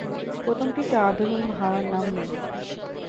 প্রথমটিতে, Adam এবং হাওয়ার নাম নেই।